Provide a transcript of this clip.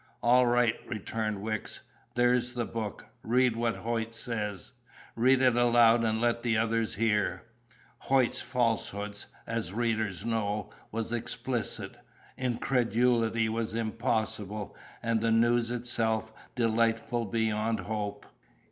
"All right," returned Wicks. "There's the book. Read what Hoyt says read it aloud and let the others hear." Hoyt's falsehood (as readers know) was explicit; incredulity was impossible, and the news itself delightful beyond hope.